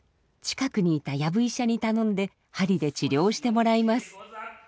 近くにいた藪医者に頼んではりで治療してもらいます。